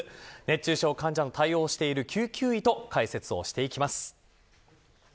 熱中症患者の対応をしている救急医と解説をしていきます。